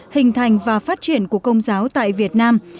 hình thành và phát triển của công giáo tại việt nam